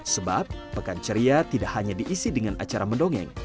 sebab pekan ceria tidak hanya diisi dengan acara mendongeng